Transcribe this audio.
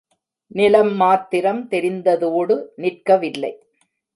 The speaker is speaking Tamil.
நிலம் மாத்திரம் தெரிந்ததோடு நிற்கவில்லை.